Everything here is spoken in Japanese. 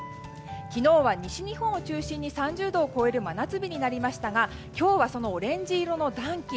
昨日は西日本を中心に３０度を超える真夏日になりましたが今日はそのオレンジ色の暖気